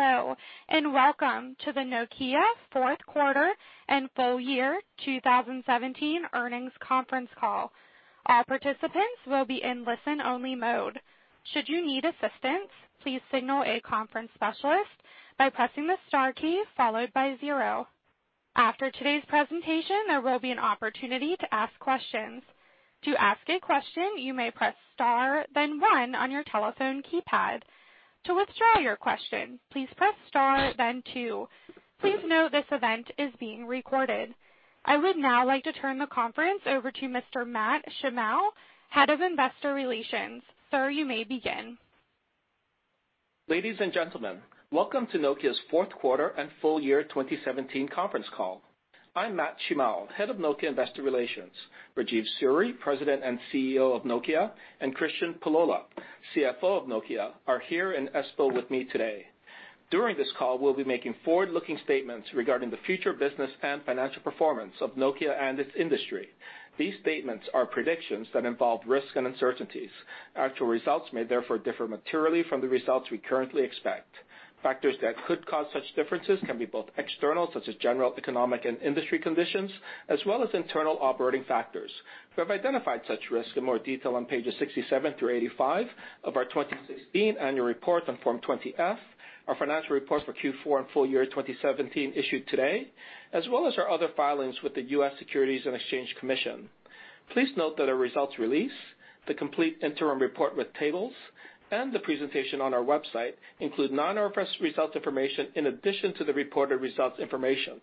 Hello, welcome to the Nokia fourth quarter and full year 2017 earnings conference call. All participants will be in listen-only mode. Should you need assistance, please signal a conference specialist by pressing the star key followed by 0. After today's presentation, there will be an opportunity to ask questions. To ask a question, you may press star then one on your telephone keypad. To withdraw your question, please press star then two. Please note this event is being recorded. I would now like to turn the conference over to Mr. Matt Shimao, Head of Investor Relations. Sir, you may begin. Ladies and gentlemen, welcome to Nokia's fourth quarter and full year 2017 conference call. I'm Matt Shimao, Head of Nokia Investor Relations. Rajeev Suri, President and CEO of Nokia, and Kristian Pullola, CFO of Nokia, are here in Espoo with me today. During this call, we'll be making forward-looking statements regarding the future business and financial performance of Nokia and its industry. These statements are predictions that involve risks and uncertainties. Actual results may therefore differ materially from the results we currently expect. Factors that could cause such differences can be both external, such as general economic and industry conditions, as well as internal operating factors. We have identified such risks in more detail on pages 67 through 85 of our 2016 annual report on Form 20-F, our financial report for Q4 and full year 2017 issued today, as well as our other filings with the U.S. Securities and Exchange Commission. Please note that our results release, the complete interim report with tables, and the presentation on our website include non-IFRS results information in addition to the reported results information.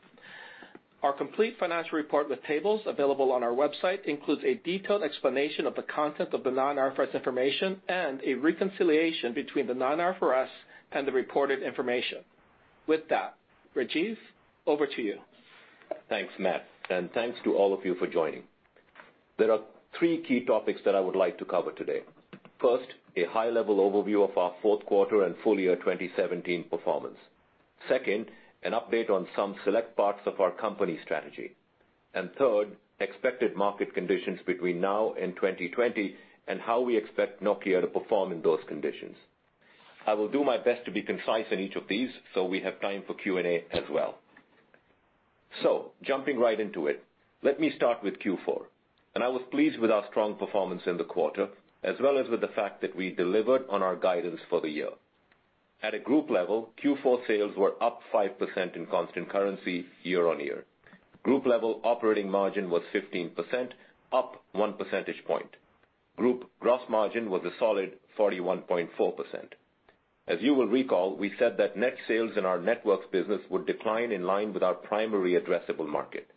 Our complete financial report with tables available on our website includes a detailed explanation of the content of the non-IFRS information and a reconciliation between the non-IFRS and the reported information. With that, Rajeev, over to you. Thanks, Matt, thanks to all of you for joining. There are three key topics that I would like to cover today. First, a high-level overview of our fourth quarter and full year 2017 performance. Second, an update on some select parts of our company strategy. Third, expected market conditions between now and 2020, and how we expect Nokia to perform in those conditions. I will do my best to be concise in each of these so we have time for Q&A as well. Jumping right into it, let me start with Q4. I was pleased with our strong performance in the quarter, as well as with the fact that we delivered on our guidance for the year. At a group level, Q4 sales were up 5% in constant currency year-on-year. Group-level operating margin was 15%, up one percentage point. Group gross margin was a solid 41.4%. As you will recall, we said that net sales in our networks business would decline in line with our primary addressable market.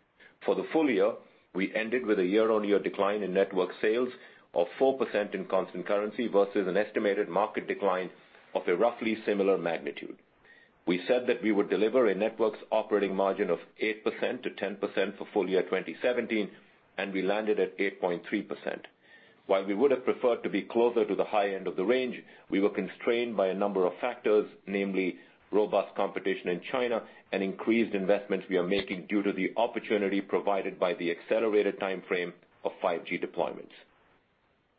For the full year, we ended with a year-on-year decline in network sales of 4% in constant currency versus an estimated market decline of a roughly similar magnitude. We said that we would deliver a networks operating margin of 8%-10% for full year 2017, and we landed at 8.3%. While we would have preferred to be closer to the high end of the range, we were constrained by a number of factors, namely robust competition in China and increased investments we are making due to the opportunity provided by the accelerated timeframe of 5G deployments.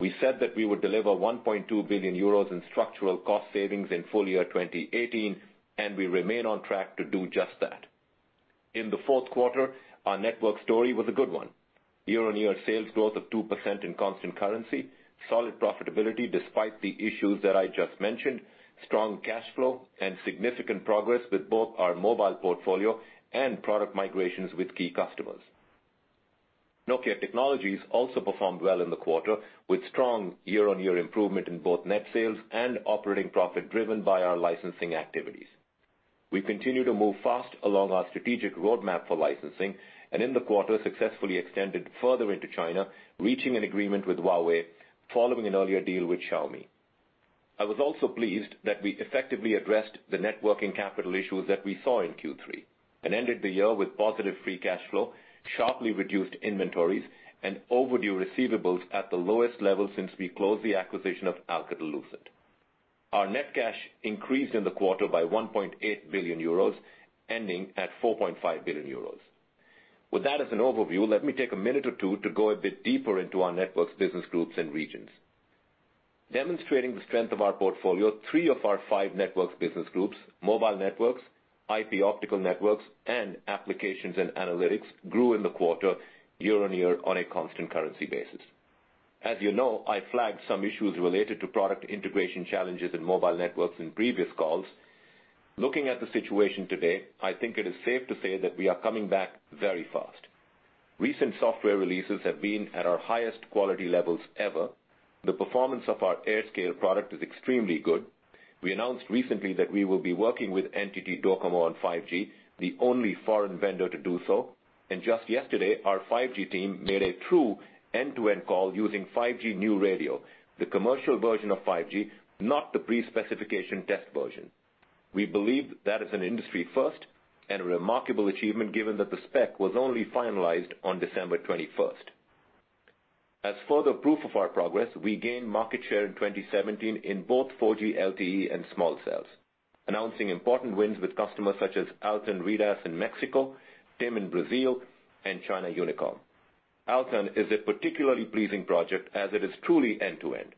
We said that we would deliver 1.2 billion euros in structural cost savings in full year 2018. We remain on track to do just that. In the fourth quarter, our network story was a good one. Year-on-year sales growth of 2% in constant currency, solid profitability despite the issues that I just mentioned. Significant progress with both our mobile portfolio and product migrations with key customers. Nokia Technologies also performed well in the quarter with strong year-on-year improvement in both net sales and operating profit driven by our licensing activities. We continue to move fast along our strategic roadmap for licensing. In the quarter, successfully extended further into China, reaching an agreement with Huawei following an earlier deal with Xiaomi. I was also pleased that we effectively addressed the net working capital issues that we saw in Q3 and ended the year with positive free cash flow, sharply reduced inventories, and overdue receivables at the lowest level since we closed the acquisition of Alcatel-Lucent. Our net cash increased in the quarter by 1.8 billion euros, ending at 4.5 billion euros. With that as an overview, let me take a minute or two to go a bit deeper into our networks, business groups, and regions. Demonstrating the strength of our portfolio, three of our five networks business groups, mobile networks, IP optical networks, and Applications and Analytics, grew in the quarter year-on-year on a constant currency basis. As you know, I flagged some issues related to product integration challenges in mobile networks in previous calls. Looking at the situation today, I think it is safe to say that we are coming back very fast. Recent software releases have been at our highest quality levels ever. The performance of our AirScale product is extremely good. We announced recently that we will be working with NTT DOCOMO on 5G, the only foreign vendor to do so. Just yesterday, our 5G team made a true end-to-end call using 5G New Radio, the commercial version of 5G, not the pre-specification test version. We believe that is an industry first and a remarkable achievement given that the spec was only finalized on December 21st. As further proof of our progress, we gained market share in 2017 in both 4G LTE and small cells, announcing important wins with customers such as Altán Redes in Mexico, TIM in Brazil, and China Unicom. Altán is a particularly pleasing project as it is truly end-to-end.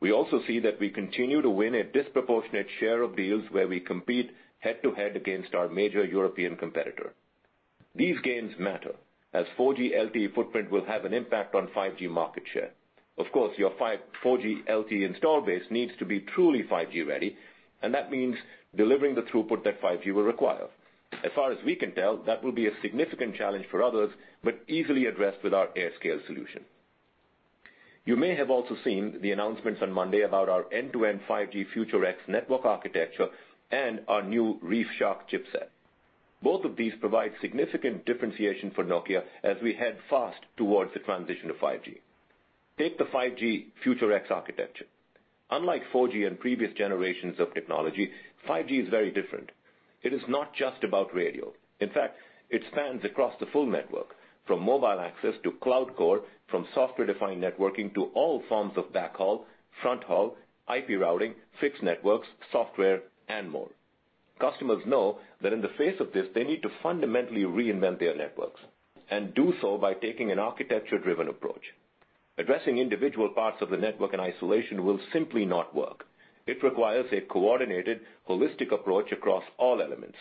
We also see that we continue to win a disproportionate share of deals where we compete head-to-head against our major European competitor. These gains matter as 4G LTE footprint will have an impact on 5G market share. Of course, your 4G LTE install base needs to be truly 5G ready, and that means delivering the throughput that 5G will require. As far as we can tell, that will be a significant challenge for others, but easily addressed with our AirScale solution. You may have also seen the announcements on Monday about our end-to-end 5G Future X network architecture and our new ReefShark chipset. Both of these provide significant differentiation for Nokia as we head fast towards the transition to 5G. Take the 5G Future X architecture. Unlike 4G and previous generations of technology, 5G is very different. It is not just about radio. In fact, it spans across the full network, from mobile access to cloud core, from software-defined networking to all forms of backhaul, fronthaul, IP routing, fixed networks, software and more. Customers know that in the face of this, they need to fundamentally reinvent their networks and do so by taking an architecture-driven approach. Addressing individual parts of the network in isolation will simply not work. It requires a coordinated, holistic approach across all elements,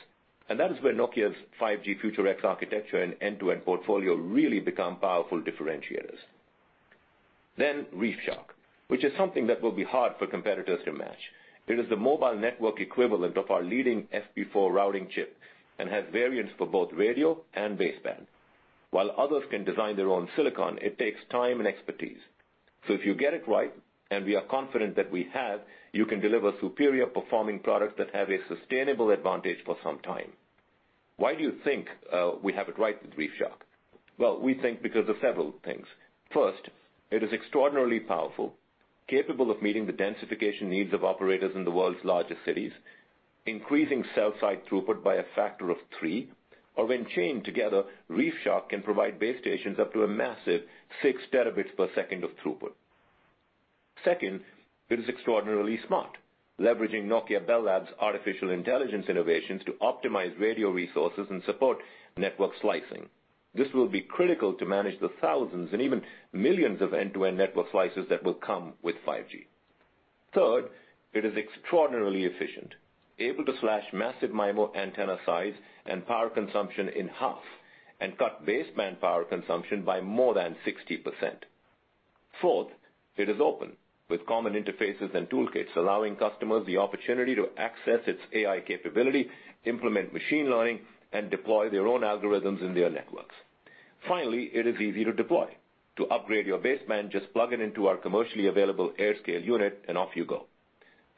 and that is where Nokia's 5G Future X architecture and end-to-end portfolio really become powerful differentiators. ReefShark, which is something that will be hard for competitors to match. It is the mobile network equivalent of our leading FP4 routing chip and has variants for both radio and baseband. While others can design their own silicon, it takes time and expertise. If you get it right, and we are confident that we have, you can deliver superior performing products that have a sustainable advantage for some time. Why do you think we have it right with ReefShark? We think because of several things. First, it is extraordinarily powerful, capable of meeting the densification needs of operators in the world's largest cities, increasing cell site throughput by a factor of three, or when chained together, ReefShark can provide base stations up to a massive 6 terabits per second of throughput. Second, it is extraordinarily smart, leveraging Nokia Bell Labs' artificial intelligence innovations to optimize radio resources and support network slicing. This will be critical to manage the thousands and even millions of end-to-end network slices that will come with 5G. Third, it is extraordinarily efficient, able to slash massive MIMO antenna size and power consumption in half and cut baseband power consumption by more than 60%. Fourth, it is open with common interfaces and toolkits, allowing customers the opportunity to access its AI capability, implement machine learning, and deploy their own algorithms in their networks. Finally, it is easy to deploy. To upgrade your baseband, just plug it into our commercially available AirScale unit and off you go.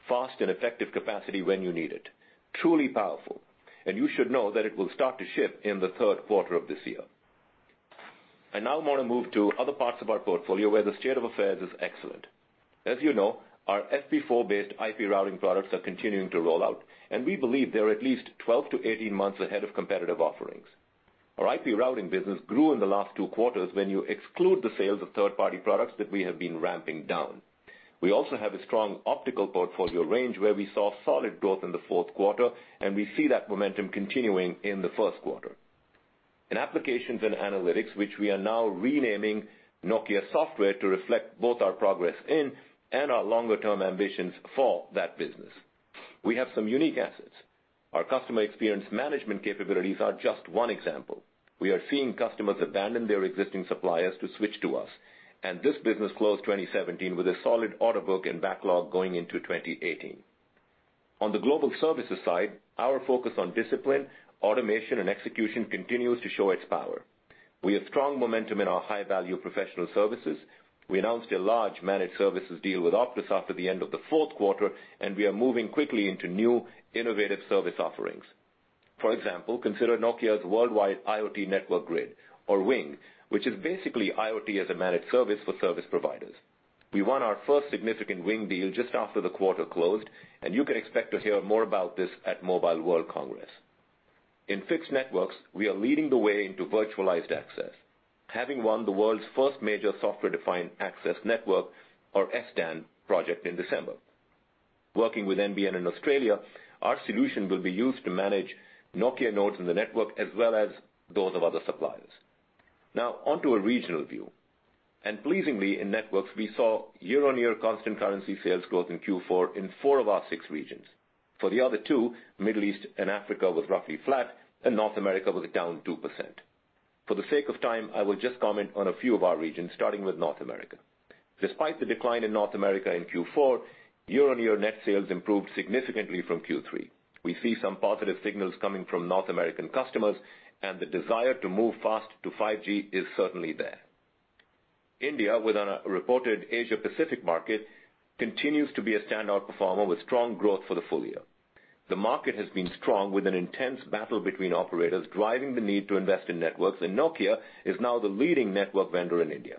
Fast and effective capacity when you need it. Truly powerful. You should know that it will start to ship in the third quarter of this year. I now want to move to other parts of our portfolio where the state of affairs is excellent. As you know, our FP4-based IP routing products are continuing to roll out, and we believe they're at least 12-18 months ahead of competitive offerings. Our IP routing business grew in the last 2 quarters when you exclude the sales of third-party products that we have been ramping down. We also have a strong optical portfolio range where we saw solid growth in the 4th quarter, and we see that momentum continuing in the 1st quarter. In Applications and Analytics, which we are now renaming Nokia Software to reflect both our progress in and our longer-term ambitions for that business, we have some unique assets. Our customer experience management capabilities are just 1 example. We are seeing customers abandon their existing suppliers to switch to us. This business closed 2017 with a solid order book and backlog going into 2018. On the global services side, our focus on discipline, automation, and execution continues to show its power. We have strong momentum in our high-value professional services. We announced a large managed services deal with Optus after the end of the 4th quarter. We are moving quickly into new innovative service offerings. For example, consider Nokia's Worldwide IoT Network Grid, or WING, which is basically IoT as a managed service for service providers. We won our 1st significant WING deal just after the quarter closed. You can expect to hear more about this at Mobile World Congress. In fixed networks, we are leading the way into virtualized access, having won the world's 1st major software-defined access network, or SDAN, project in December. Working with nbn in Australia, our solution will be used to manage Nokia nodes in the network as well as those of other suppliers. On to a regional view. Pleasingly in networks, we saw year-on-year constant currency sales growth in Q4 in 4 of our 6 regions. For the other 2, Middle East and Africa was roughly flat. North America was down 2%. For the sake of time, I will just comment on a few of our regions, starting with North America. Despite the decline in North America in Q4, year-on-year net sales improved significantly from Q3. We see some positive signals coming from North American customers and the desire to move fast to 5G is certainly there. India, with our reported Asia Pacific market, continues to be a standout performer with strong growth for the full year. The market has been strong with an intense battle between operators driving the need to invest in networks. Nokia is now the leading network vendor in India.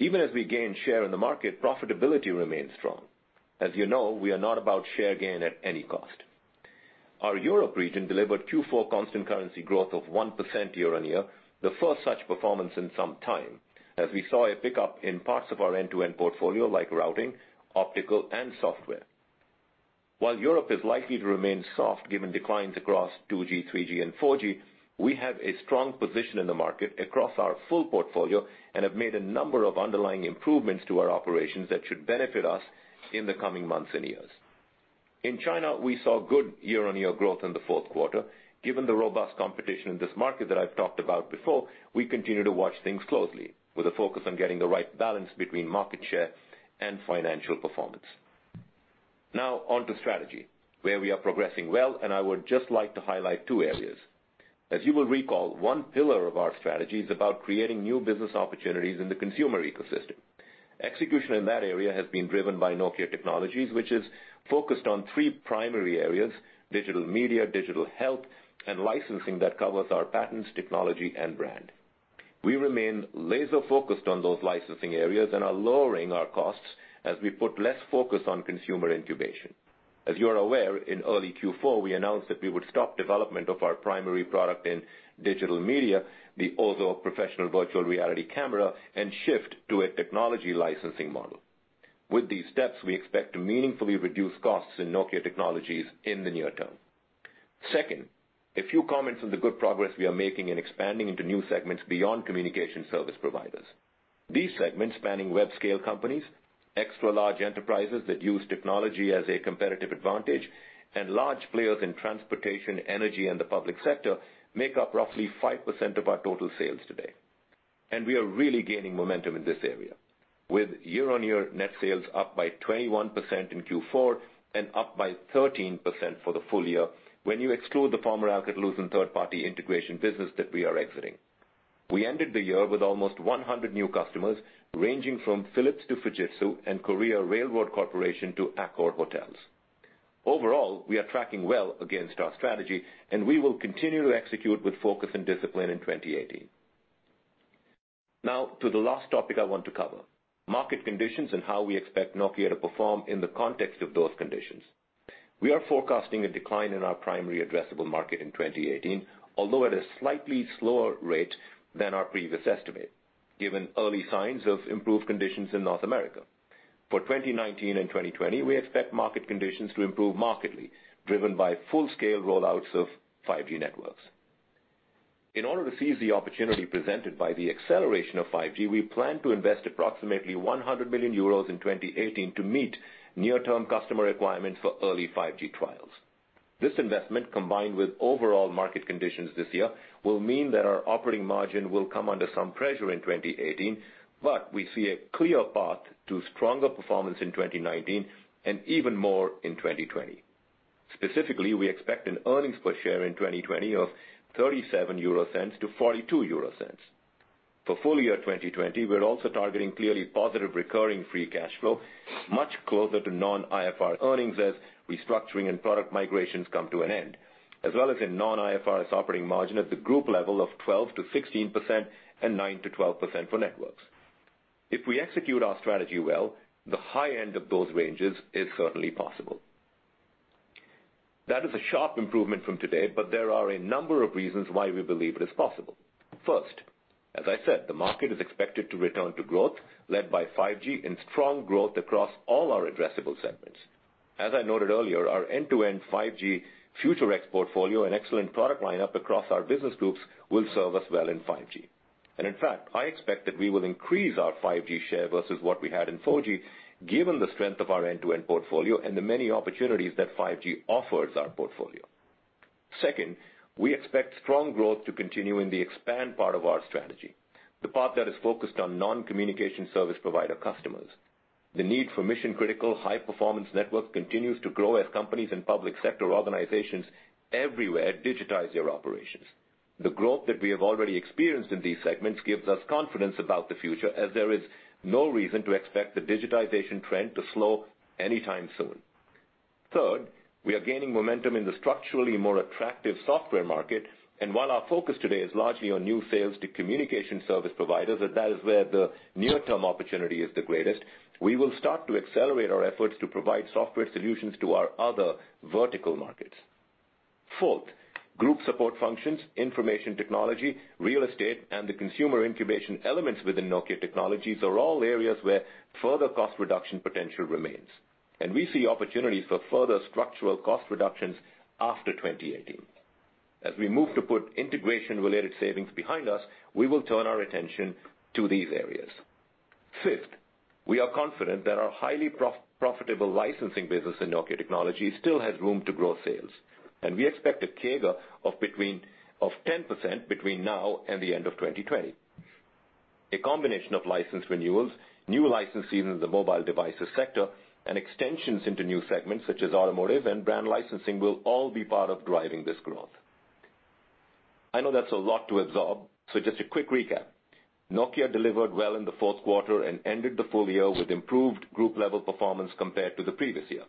Even as we gain share in the market, profitability remains strong. As you know, we are not about share gain at any cost. Our Europe region delivered Q4 constant currency growth of 1% year-on-year, the 1st such performance in some time, as we saw a pickup in parts of our end-to-end portfolio like routing, optical, and software. While Europe is likely to remain soft given declines across 2G, 3G, and 4G, we have a strong position in the market across our full portfolio and have made a number of underlying improvements to our operations that should benefit us in the coming months and years. In China, we saw good year-on-year growth in the 4th quarter. Given the robust competition in this market that I've talked about before, we continue to watch things closely with a focus on getting the right balance between market share and financial performance. On to strategy, where we are progressing well. I would just like to highlight 2 areas. As you will recall, one pillar of our strategy is about creating new business opportunities in the consumer ecosystem. Execution in that area has been driven by Nokia Technologies, which is focused on three primary areas: digital media, digital health, and licensing that covers our patents, technology, and brand. We remain laser-focused on those licensing areas and are lowering our costs as we put less focus on consumer incubation. As you are aware, in early Q4, we announced that we would stop development of our primary product in digital media, the OZO professional virtual reality camera, and shift to a technology licensing model. With these steps, we expect to meaningfully reduce costs in Nokia Technologies in the near term. Second, a few comments on the good progress we are making in expanding into new segments beyond communication service providers. These segments, spanning web-scale companies, extra-large enterprises that use technology as a competitive advantage, and large players in transportation, energy, and the public sector make up roughly 5% of our total sales today. We are really gaining momentum in this area, with year-on-year net sales up by 21% in Q4 and up by 13% for the full year when you exclude the former Alcatel-Lucent third-party integration business that we are exiting. We ended the year with almost 100 new customers, ranging from Philips to Fujitsu, and Korea Railroad Corporation to Accor hotels. Overall, we are tracking well against our strategy, and we will continue to execute with focus and discipline in 2018. To the last topic I want to cover, market conditions and how we expect Nokia to perform in the context of those conditions. We are forecasting a decline in our primary addressable market in 2018, although at a slightly slower rate than our previous estimate given early signs of improved conditions in North America. For 2019 and 2020, we expect market conditions to improve markedly, driven by full-scale rollouts of 5G networks. In order to seize the opportunity presented by the acceleration of 5G, we plan to invest approximately 100 million euros in 2018 to meet near-term customer requirements for early 5G trials. This investment, combined with overall market conditions this year, will mean that our operating margin will come under some pressure in 2018. We see a clear path to stronger performance in 2019 and even more in 2020. Specifically, we expect an earnings per share in 2020 of 0.37 to 0.42. For full-year 2020, we're also targeting clearly positive recurring free cash flow, much closer to non-IFRS earnings as restructuring and product migrations come to an end. As well as a non-IFRS operating margin at the group level of 12%-16% and 9%-12% for networks. If we execute our strategy well, the high end of those ranges is certainly possible. That is a sharp improvement from today, there are a number of reasons why we believe it is possible. First, as I said, the market is expected to return to growth led by 5G and strong growth across all our addressable segments. As I noted earlier, our end-to-end 5G Future X portfolio and excellent product lineup across our business groups will serve us well in 5G. In fact, I expect that we will increase our 5G share versus what we had in 4G given the strength of our end-to-end portfolio and the many opportunities that 5G offers our portfolio. Second, we expect strong growth to continue in the expand part of our strategy, the part that is focused on non-communication service provider customers. The need for mission-critical high-performance networks continues to grow as companies and public sector organizations everywhere digitize their operations. The growth that we have already experienced in these segments gives us confidence about the future as there is no reason to expect the digitization trend to slow anytime soon. Third, we are gaining momentum in the structurally more attractive software market, while our focus today is largely on new sales to communication service providers, as that is where the near-term opportunity is the greatest, we will start to accelerate our efforts to provide software solutions to our other vertical markets. Fourth, group support functions, information technology, real estate, and the consumer incubation elements within Nokia Technologies are all areas where further cost reduction potential remains. We see opportunities for further structural cost reductions after 2018. As we move to put integration-related savings behind us, we will turn our attention to these areas. Fifth, we are confident that our highly profitable licensing business in Nokia Technologies still has room to grow sales, and we expect a CAGR of 10% between now and the end of 2020. A combination of license renewals, new licensees in the mobile devices sector, and extensions into new segments such as automotive and brand licensing will all be part of driving this growth. I know that's a lot to absorb, just a quick recap. Nokia delivered well in the fourth quarter and ended the full year with improved group-level performance compared to the previous year.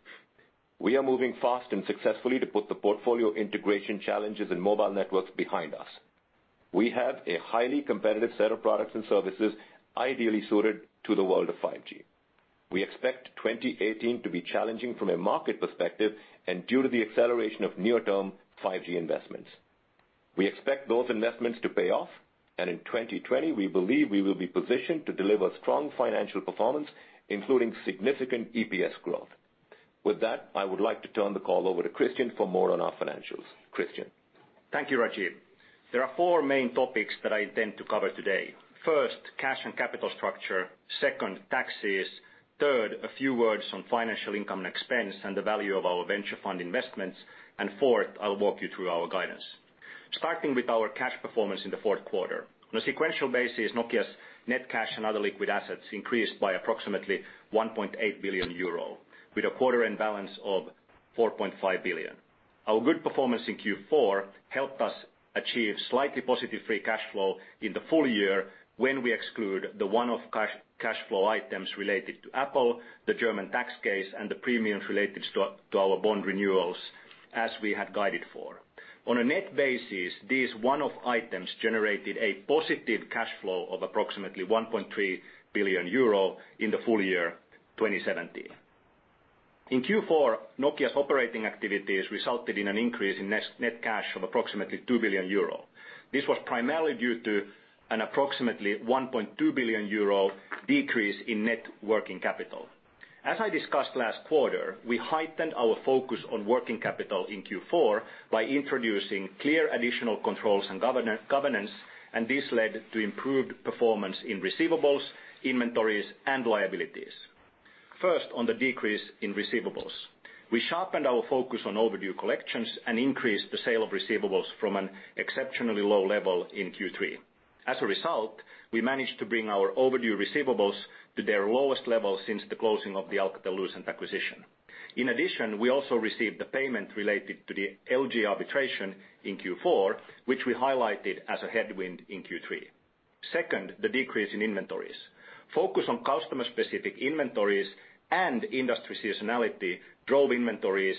We are moving fast and successfully to put the portfolio integration challenges in mobile networks behind us. We have a highly competitive set of products and services ideally suited to the world of 5G. We expect 2018 to be challenging from a market perspective and due to the acceleration of near-term 5G investments. We expect those investments to pay off. In 2020, we believe we will be positioned to deliver strong financial performance, including significant EPS growth. With that, I would like to turn the call over to Kristian for more on our financials. Kristian? Thank you, Rajeev. There are four main topics that I intend to cover today. First, cash and capital structure. Second, taxes. Third, a few words on financial income and expense, and the value of our venture fund investments. Fourth, I'll walk you through our guidance. Starting with our cash performance in the fourth quarter. On a sequential basis, Nokia's net cash and other liquid assets increased by approximately 1.8 billion euro, with a quarter end balance of 4.5 billion. Our good performance in Q4 helped us achieve slightly positive free cash flow in the full year when we exclude the one-off cash flow items related to Apple, the German tax case, and the premiums related to our bond renewals as we had guided for. On a net basis, these one-off items generated a positive cash flow of approximately 1.3 billion euro in the full year 2017. In Q4, Nokia's operating activities resulted in an increase in net cash of approximately 2 billion euro. This was primarily due to an approximately 1.2 billion euro decrease in net working capital. As I discussed last quarter, we heightened our focus on working capital in Q4 by introducing clear additional controls and governance. This led to improved performance in receivables, inventories, and liabilities. First, on the decrease in receivables. We sharpened our focus on overdue collections and increased the sale of receivables from an exceptionally low level in Q3. As a result, we managed to bring our overdue receivables to their lowest level since the closing of the Alcatel-Lucent acquisition. In addition, we also received the payment related to the LG arbitration in Q4, which we highlighted as a headwind in Q3. Second, the decrease in inventories. Focus on customer-specific inventories and industry seasonality drove inventories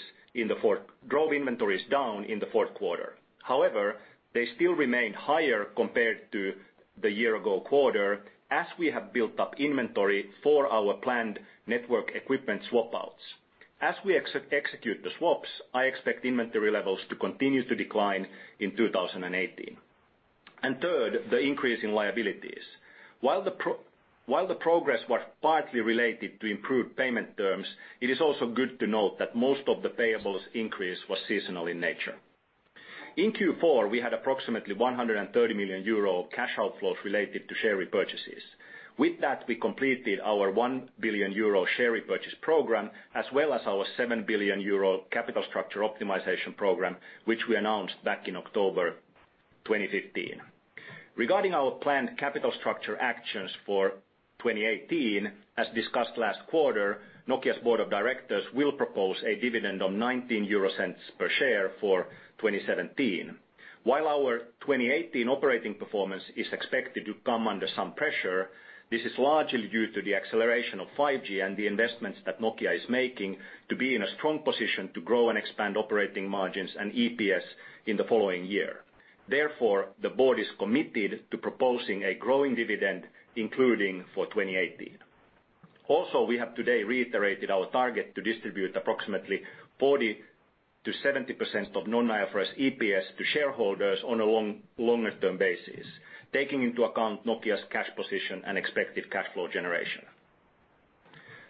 down in the fourth quarter. However, they still remain higher compared to the year-ago quarter as we have built up inventory for our planned network equipment swap-outs. As we execute the swaps, I expect inventory levels to continue to decline in 2018. Third, the increase in liabilities. While the progress was partly related to improved payment terms, it is also good to note that most of the payables increase was seasonal in nature. In Q4, we had approximately 130 million euro cash outflows related to share repurchases. With that, we completed our 1 billion euro share repurchase program, as well as our 7 billion euro capital structure optimization program, which we announced back in October 2015. Regarding our planned capital structure actions for 2018, as discussed last quarter, Nokia's Board of Directors will propose a dividend of 0.19 per share for 2017. While our 2018 operating performance is expected to come under some pressure, this is largely due to the acceleration of 5G and the investments that Nokia is making to be in a strong position to grow and expand operating margins and EPS in the following year. Therefore, the Board is committed to proposing a growing dividend, including for 2018. Also, we have today reiterated our target to distribute approximately 40%-70% of non-IFRS EPS to shareholders on a longer-term basis, taking into account Nokia's cash position and expected cash flow generation.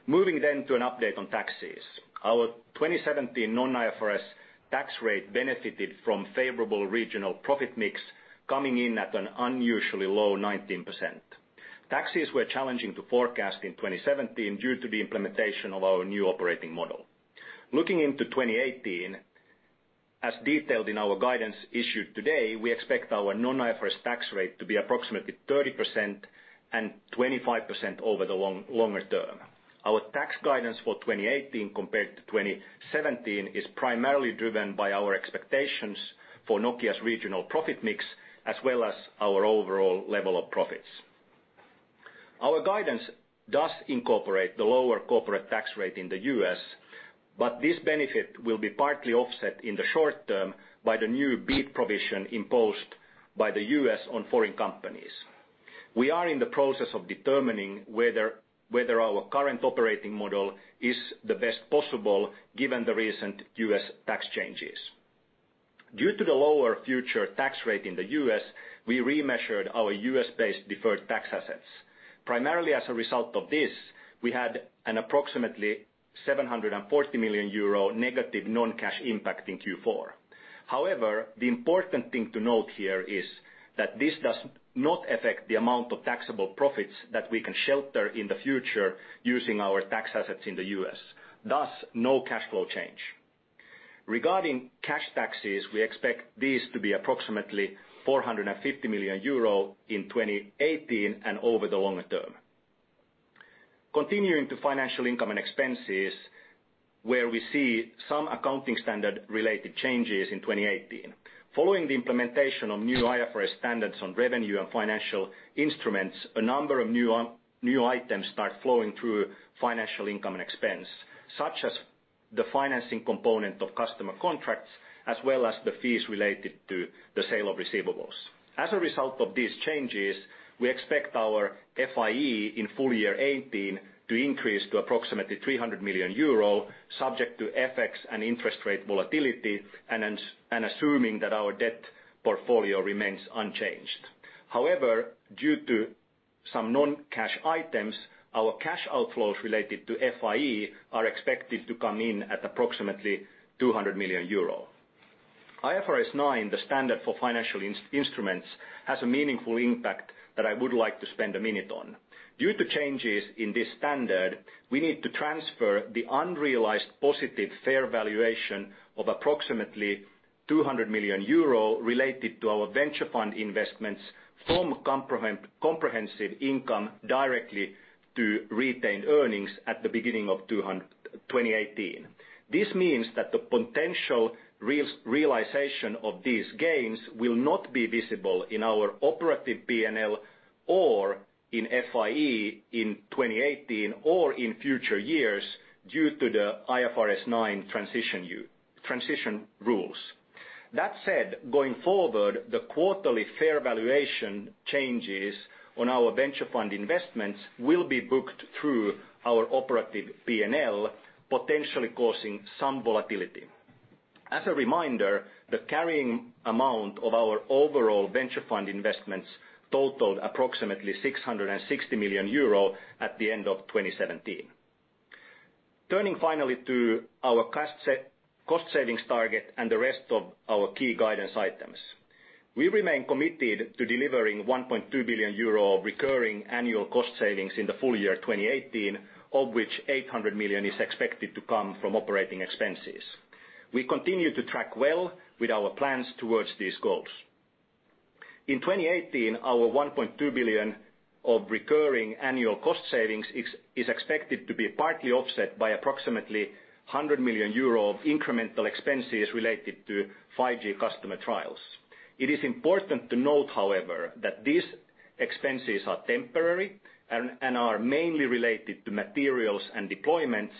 Moving to an update on taxes. Our 2017 non-IFRS tax rate benefited from favorable regional profit mix coming in at an unusually low 19%. Taxes were challenging to forecast in 2017 due to the implementation of our new operating model. Looking into 2018, as detailed in our guidance issued today, we expect our non-IFRS tax rate to be approximately 30% and 25% over the longer term. Our tax guidance for 2018 compared to 2017 is primarily driven by our expectations for Nokia's regional profit mix, as well as our overall level of profits. Our guidance does incorporate the lower corporate tax rate in the U.S., but this benefit will be partly offset in the short term by the new BEAT provision imposed by the U.S. on foreign companies. We are in the process of determining whether our current operating model is the best possible given the recent U.S. tax changes. Due to the lower future tax rate in the U.S., we remeasured our U.S.-based deferred tax assets. Primarily as a result of this, we had an approximately 740 million euro negative non-cash impact in Q4. However, the important thing to note here is that this does not affect the amount of taxable profits that we can shelter in the future using our tax assets in the U.S., thus no cash flow change. Regarding cash taxes, we expect these to be approximately 450 million euro in 2018 and over the longer term. Continuing to financial income and expenses, where we see some accounting standard-related changes in 2018. Following the implementation of new IFRS standards on revenue and financial instruments, a number of new items start flowing through financial income and expense, such as the financing component of customer contracts, as well as the fees related to the sale of receivables. As a result of these changes, we expect our FIE in full year 2018 to increase to approximately 300 million euro, subject to FX and interest rate volatility and assuming that our debt portfolio remains unchanged. However, due to some non-cash items, our cash outflows related to FIE are expected to come in at approximately 200 million euro. IFRS 9, the standard for financial instruments, has a meaningful impact that I would like to spend a minute on. Due to changes in this standard, we need to transfer the unrealized positive fair valuation of approximately 200 million euro related to our venture fund investments from comprehensive income directly to retained earnings at the beginning of 2018. This means that the potential realization of these gains will not be visible in our operative P&L or in FIE in 2018, or in future years due to the IFRS 9 transition rules. That said, going forward, the quarterly fair valuation changes on our venture fund investments will be booked through our operative P&L, potentially causing some volatility. As a reminder, the carrying amount of our overall venture fund investments totaled approximately 660 million euro at the end of 2017. Turning finally to our cost savings target and the rest of our key guidance items. We remain committed to delivering 1.2 billion euro of recurring annual cost savings in the full year 2018, of which 800 million is expected to come from operating expenses. We continue to track well with our plans towards these goals. In 2018, our 1.2 billion of recurring annual cost savings is expected to be partly offset by approximately 100 million euro of incremental expenses related to 5G customer trials. It is important to note, however, that these expenses are temporary and are mainly related to materials and deployments,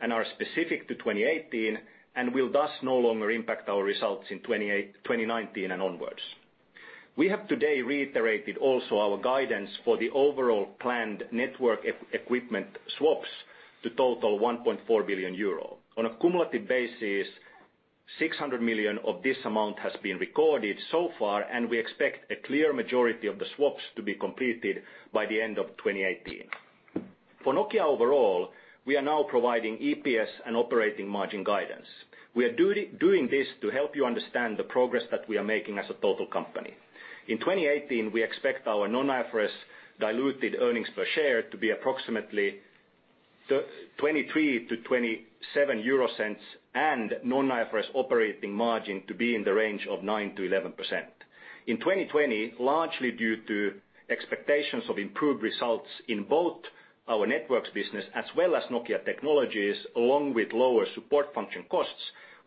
and are specific to 2018, and will thus no longer impact our results in 2019 and onwards. We have today reiterated also our guidance for the overall planned network equipment swaps to total 1.4 billion euro. On a cumulative basis, 600 million of this amount has been recorded so far, and we expect a clear majority of the swaps to be completed by the end of 2018. For Nokia overall, we are now providing EPS and operating margin guidance. We are doing this to help you understand the progress that we are making as a total company. In 2018, we expect our non-IFRS diluted earnings per share to be approximately 0.23-0.27 euro, and non-IFRS operating margin to be in the range of 9%-11%. In 2020, largely due to expectations of improved results in both our networks business, as well as Nokia Technologies, along with lower support function costs,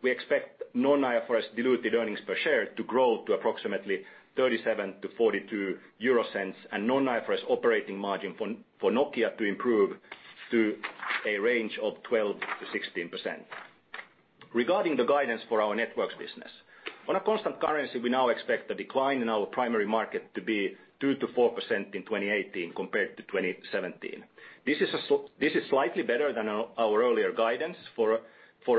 we expect non-IFRS diluted earnings per share to grow to approximately 0.37-0.42 euro, and non-IFRS operating margin for Nokia to improve to a range of 12%-16%. Regarding the guidance for our networks business. On a constant currency, we now expect the decline in our primary market to be 2%-4% in 2018 compared to 2017. This is slightly better than our earlier guidance for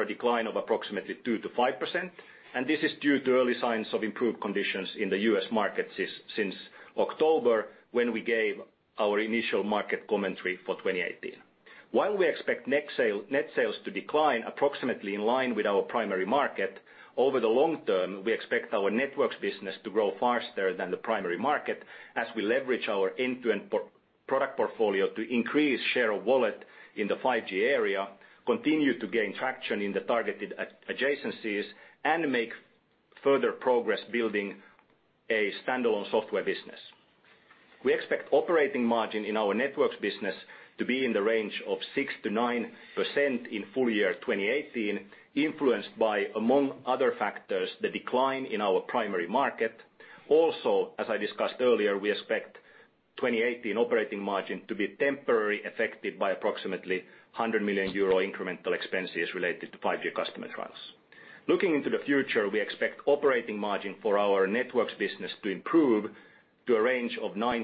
a decline of approximately 2%-5%, and this is due to early signs of improved conditions in the U.S. market since October, when we gave our initial market commentary for 2018. While we expect net sales to decline approximately in line with our primary market, over the long term, we expect our networks business to grow faster than the primary market as we leverage our end-to-end product portfolio to increase share of wallet in the 5G area, continue to gain traction in the targeted adjacencies, and make further progress building a standalone software business. We expect operating margin in our networks business to be in the range of 6%-9% in full year 2018, influenced by, among other factors, the decline in our primary market. As I discussed earlier, we expect 2018 operating margin to be temporarily affected by approximately 100 million euro incremental expenses related to 5G customer trials. Looking into the future, we expect operating margin for our networks business to improve to a range of 9%-12%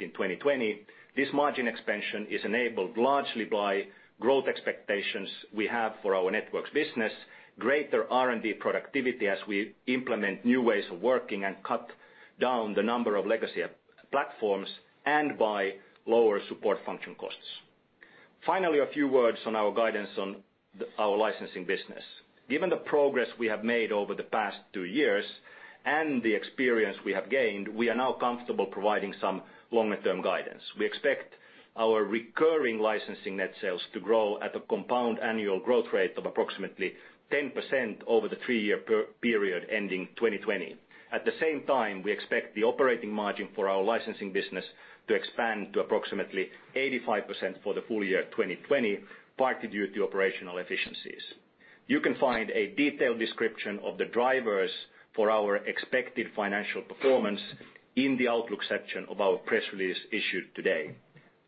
in 2020. This margin expansion is enabled largely by growth expectations we have for our networks business, greater R&D productivity as we implement new ways of working and cut down the number of legacy platforms, and by lower support function costs. A few words on our guidance on our licensing business. Given the progress we have made over the past two years and the experience we have gained, we are now comfortable providing some longer-term guidance. We expect our recurring licensing net sales to grow at a compound annual growth rate of approximately 10% over the three-year period ending 2020. At the same time, we expect the operating margin for our licensing business to expand to approximately 85% for the full year 2020, partly due to operational efficiencies. You can find a detailed description of the drivers for our expected financial performance in the outlook section of our press release issued today.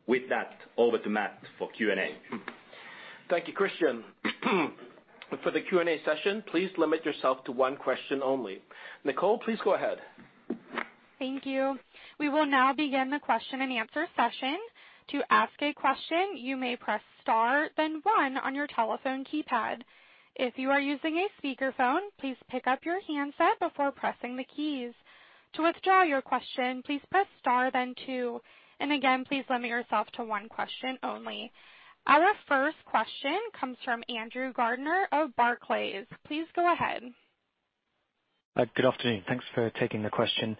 With that, over to Matt Shimao for Q&A. Thank you, Kristian. For the Q&A session, please limit yourself to one question only. Nicole, please go ahead. Thank you. We will now begin the question and answer session. To ask a question, you may press star then one on your telephone keypad. If you are using a speakerphone, please pick up your handset before pressing the keys. To withdraw your question, please press star then two. Again, please limit yourself to one question only. Our first question comes from Andrew Gardiner of Barclays. Please go ahead. Good afternoon. Thanks for taking the question.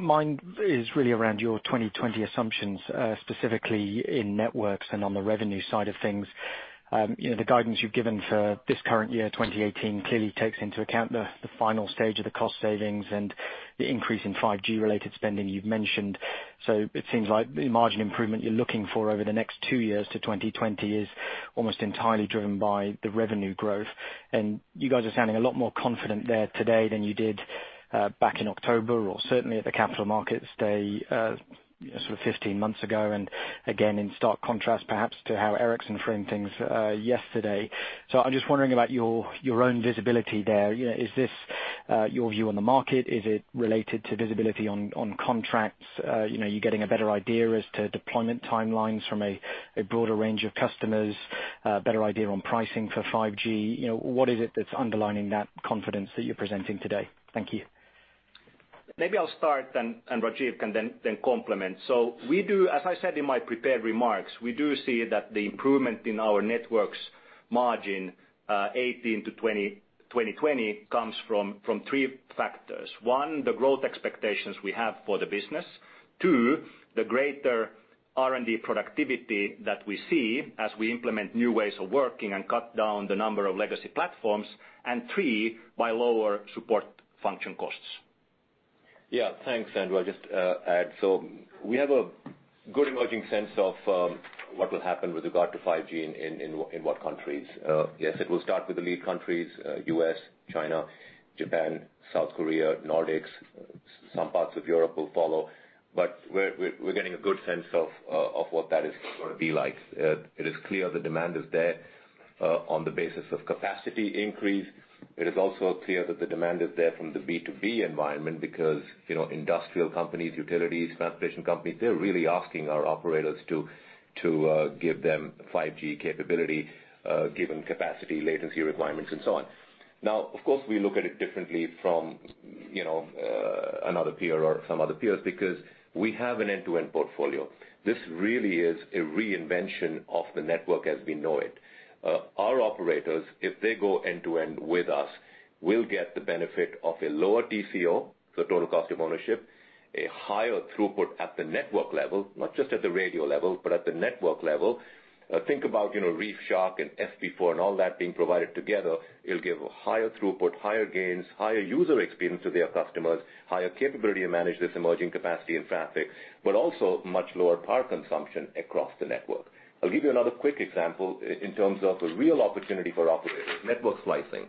Mine is really around your 2020 assumptions, specifically in networks and on the revenue side of things. The guidance you've given for this current year, 2018, clearly takes into account the final stage of the cost savings and the increase in 5G related spending you've mentioned. It seems like the margin improvement you're looking for over the next two years to 2020 is almost entirely driven by the revenue growth. You guys are sounding a lot more confident there today than you did back in October or certainly at the Capital Markets Day sort of 15 months ago, and again, in stark contrast, perhaps, to how Ericsson framed things yesterday. I'm just wondering about your own visibility there. Is this your view on the market? Is it related to visibility on contracts? You're getting a better idea as to deployment timelines from a broader range of customers, better idea on pricing for 5G. What is it that's underlining that confidence that you're presenting today? Thank you. Maybe I'll start, and Rajeev can then complement. We do, as I said in my prepared remarks, we do see that the improvement in our networks margin 2018 to 2020 comes from three factors. One, the growth expectations we have for the business. Two, the greater R&D productivity that we see as we implement new ways of working and cut down the number of legacy platforms. Three, by lower support function costs. Yeah, thanks, Andrew. I'll just add, we have a good emerging sense of what will happen with regard to 5G and in what countries. Yes, it will start with the lead countries, U.S., China, Japan, South Korea, Nordics, some parts of Europe will follow. We're getting a good sense of what that is going to be like. It is clear the demand is there on the basis of capacity increase. It is also clear that the demand is there from the B2B environment because industrial companies, utilities, transportation companies, they're really asking our operators to give them 5G capability, given capacity latency requirements and so on. Of course, we look at it differently from another peer or some other peers because we have an end-to-end portfolio. This really is a reinvention of the network as we know it. Our operators, if they go end to end with us, will get the benefit of a lower TCO (total cost of ownership), a higher throughput at the network level, not just at the radio level, but at the network level. Think about ReefShark and FP4 and all that being provided together, it will give a higher throughput, higher gains, higher user experience to their customers, higher capability to manage this emerging capacity and traffic, but also much lower power consumption across the network. I will give you another quick example in terms of a real opportunity for operators, network slicing.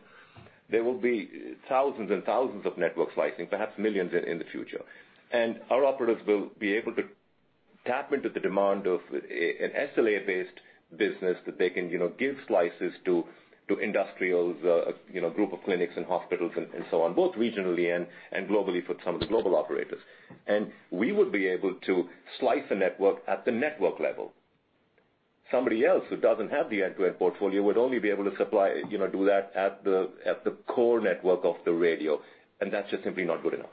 There will be thousands and thousands of network slicing, perhaps millions in the future. Our operators will be able to tap into the demand of an SLA-based business that they can give slices to industrials, a group of clinics and hospitals and so on, both regionally and globally for some of the global operators. We would be able to slice a network at the network level. Somebody else who does not have the end-to-end portfolio would only be able to do that at the core network of the radio, and that is just simply not good enough.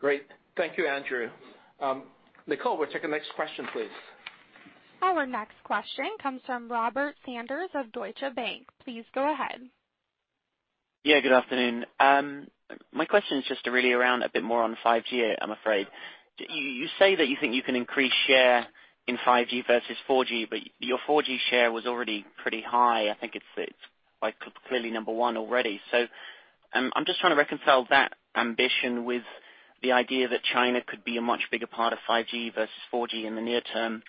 Great. Thank you, Andrew. Nicole, we will take the next question, please. Our next question comes from Robert Sanders of Deutsche Bank. Please go ahead. Good afternoon. My question is just really around a bit more on 5G, I'm afraid. You say that you think you can increase share in 5G versus 4G. Your 4G share was already pretty high. I think it's quite clearly number one already. I'm just trying to reconcile that ambition with the idea that China could be a much bigger part of 5G versus 4G in the near term,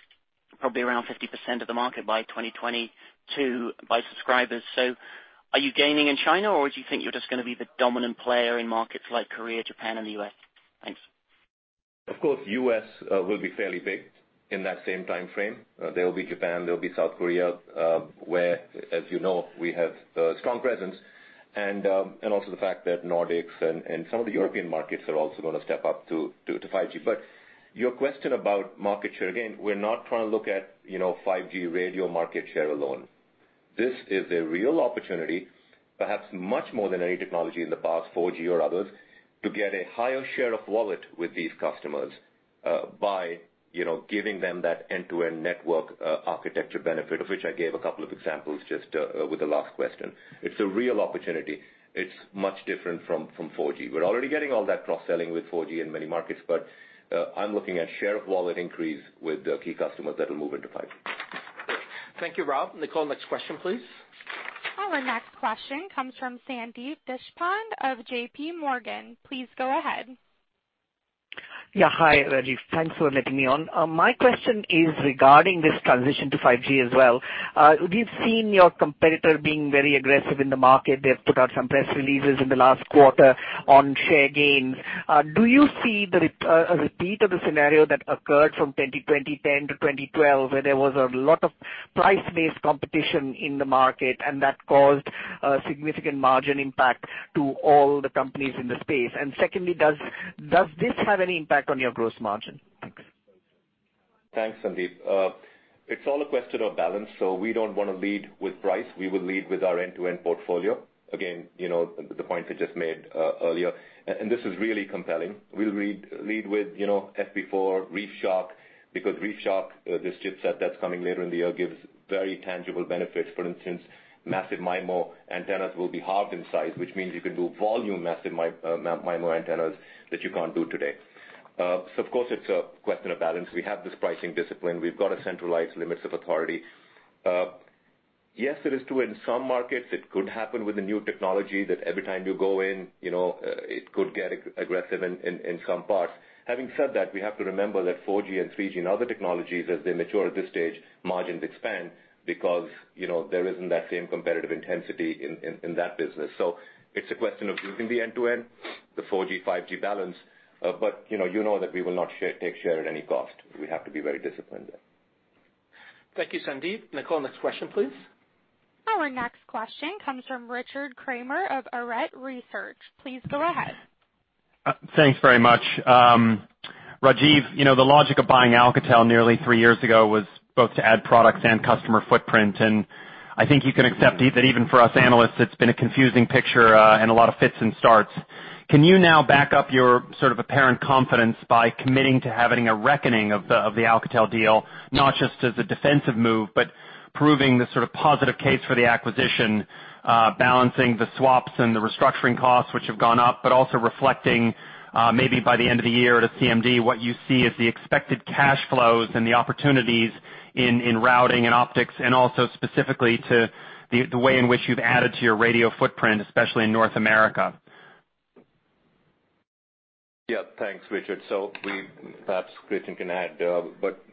probably around 50% of the market by 2022 by subscribers. Are you gaining in China, or do you think you're just going to be the dominant player in markets like Korea, Japan, and the U.S.? Thanks. Of course, U.S. will be fairly big in that same time frame. There will be Japan, there will be South Korea, where, as you know, we have a strong presence, and also the fact that Nordics and some of the European markets are also going to step up to 5G. Your question about market share, again, we're not trying to look at 5G radio market share alone. This is a real opportunity, perhaps much more than any technology in the past, 4G or others, to get a higher share of wallet with these customers by giving them that end-to-end network architecture benefit, of which I gave a couple of examples just with the last question. It's a real opportunity. It's much different from 4G. We're already getting all that cross-selling with 4G in many markets, but I'm looking at share of wallet increase with key customers that will move into 5G. Thank you, Rob. Nicole, next question, please. Our next question comes from Sandeep Deshpande of JP Morgan. Please go ahead. Hi, Rajeev. Thanks for letting me on. My question is regarding this transition to 5G as well. We've seen your competitor being very aggressive in the market. They've put out some press releases in the last quarter on share gains. Do you see a repeat of the scenario that occurred from 2010 to 2012, where there was a lot of price-based competition in the market, and that caused a significant margin impact to all the companies in the space? Secondly, does this have any impact on your gross margin? Thanks, Sandeep. It's all a question of balance. We don't want to lead with price. We will lead with our end-to-end portfolio. Again, the point I just made earlier, this is really compelling. We'll lead with FP4, ReefShark, because ReefShark, this chipset that's coming later in the year, gives very tangible benefits. For instance, massive MIMO antennas will be halved in size, which means you can do volume massive MIMO antennas that you can't do today. Of course, it's a question of balance. We have this pricing discipline. We've got to centralize limits of authority. Yes, it is true in some markets, it could happen with the new technology that every time you go in, it could get aggressive in some parts. Having said that, we have to remember that 4G and 3G and other technologies, as they mature at this stage, margins expand because there isn't that same competitive intensity in that business. It's a question of using the end-to-end, the 4G, 5G balance. You know that we will not take share at any cost. We have to be very disciplined there. Thank you, Sandeep. Nicole, next question, please. Our next question comes from Richard Kramer of Arete Research. Please go ahead. Thanks very much. Rajeev, the logic of buying Alcatel nearly 3 years ago was both to add products and customer footprint. I think you can accept that even for us analysts, it has been a confusing picture and a lot of fits and starts. Can you now back up your sort of apparent confidence by committing to having a reckoning of the Alcatel deal, not just as a defensive move, but proving the sort of positive case for the acquisition, balancing the swaps and the restructuring costs, which have gone up, but also reflecting, maybe by the end of the year at a CMD, what you see as the expected cash flows and the opportunities in routing and optics, and also specifically to the way in which you have added to your radio footprint, especially in North America? Yeah. Thanks, Richard. Perhaps Kristian can add, but